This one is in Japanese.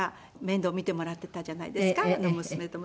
面倒見てもらってたじゃないですか娘と息子と。